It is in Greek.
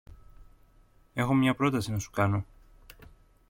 Έχω μια πρόταση να σου κάνω.